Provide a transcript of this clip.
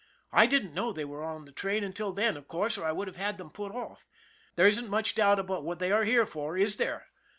I didn't know they were on the train until then, of course, or I would have had them put off. There isn't much doubt about what they are here for, is there?